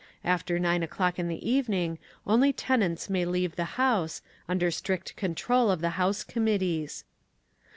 After 9 o'clock in the evening only tenants may leave the house, under strict control of the House Committees.